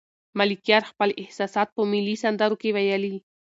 ملکیار خپل احساسات په ملي سندرو کې ویلي.